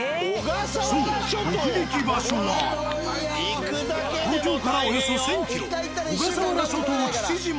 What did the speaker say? そう東京からおよそ１０００ｋｍ小笠原諸島父島。